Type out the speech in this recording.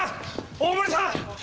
大森さん！